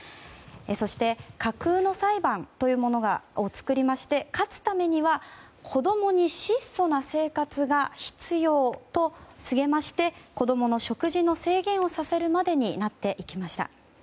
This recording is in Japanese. そして、架空の裁判というものを作りまして勝つためには子供に質素な生活が必要と告げまして子供の食事の制限をさせるまでになっていきました。